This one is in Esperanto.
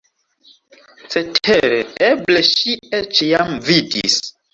Cetere, eble ŝi eĉ jam vidis!